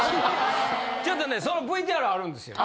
ちょっとねそのＶＴＲあるんですよ。